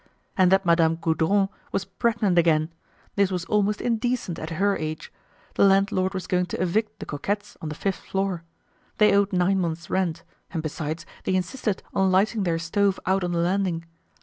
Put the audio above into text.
And that Madame Gaudron was pregnant again; this was almost indecent at her age. The landlord was going to evict the Coquets on the fifth floor. They owed nine months' rent, and besides, they insisted on lighting their stove out on the landing.